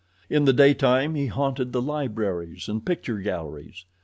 In the daytime he haunted the libraries and picture galleries.